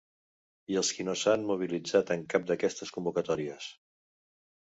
I als qui no s’han mobilitzat en cap d’aquestes convocatòries.